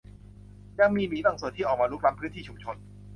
ยังมีหมีบางส่วนที่ออกมารุกล้ำพื้นที่ชุมชน